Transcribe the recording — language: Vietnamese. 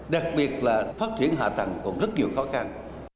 đặc biệt là phát triển hạ tầng còn rất nhiều khó khăn